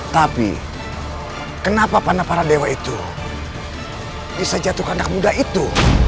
tapi kenapa panah para dewa itu bisa jatuhkan anak muda itu